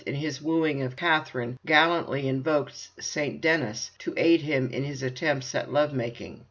in his wooing of Katherine, gallantly invokes St. Denis to aid him in his attempts at love making.